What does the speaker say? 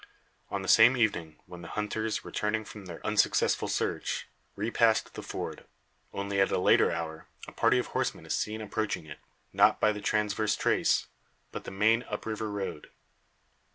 On the same evening, when the hunters, returning from their unsuccessful search, repassed the ford, only at a later hour, a party of horsemen is seen approaching it not by the transverse trace, but the main up river road.